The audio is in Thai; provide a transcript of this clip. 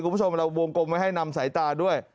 คุณผู้ชมเราวงกลมไว้ให้นำสายตาด้วย